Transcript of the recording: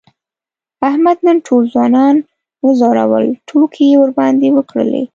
احمد نن ټول ځوانان و ځورول، ټوکې یې ورباندې وکړلې.